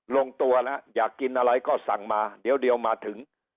ลงตัวแล้วอยากกินอะไรก็สั่งมาเดี๋ยวมาถึง